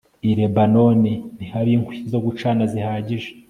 I Lebanoni ntihaba inkwi zo gucana zihagije